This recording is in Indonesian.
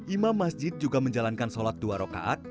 imam masjid juga menjalankan sholat dua rokaat